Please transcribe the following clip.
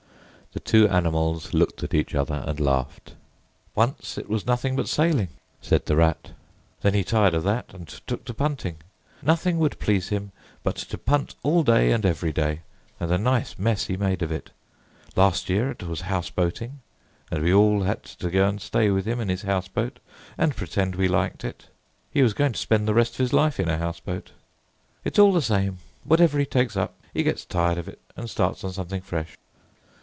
The two animals looked at each other and laughed. "Once, it was nothing but sailing," said the Rat, "Then he tired of that and took to punting. Nothing would please him but to punt all day and every day, and a nice mess he made of it. Last year it was house boating, and we all had to go and stay with him in his house boat, and pretend we liked it. He was going to spend the rest of his life in a house boat. It's all the same, whatever he takes up; he gets tired of it, and starts on something fresh."